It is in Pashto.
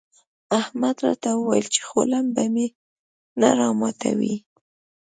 احمد راته وويل چې خوله به مې نه راماتوې.